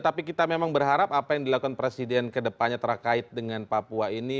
tapi kita memang berharap apa yang dilakukan presiden kedepannya terkait dengan papua ini